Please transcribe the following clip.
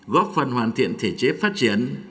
góp phần hoàn thiện thể chế phát triển